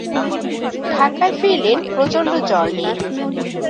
ঢাকায় ফিরলেন প্রচণ্ড জ্বর নিয়ে।